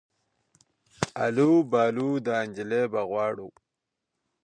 آلو بالو دا انجلۍ به غواړو